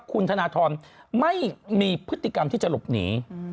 คุณธนทรไม่มีพฤติกรรมที่จะหลบหนี